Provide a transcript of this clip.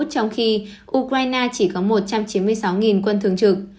trong khi ukraine chỉ có một trăm chín mươi sáu quân thường trực